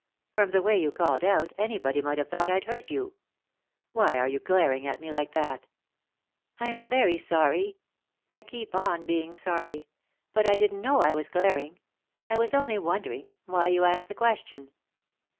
From the way you called out anybody might have thought I'd hurt you. Why are you glaring at me like that ?"" I'm very sorry — I keep on being sorry ; but I didn't know I was glaring. I was only wondering — why you asked the question."